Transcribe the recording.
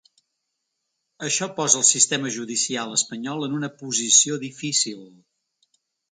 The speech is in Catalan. Això posa el sistema judicial espanyol en una posició difícil.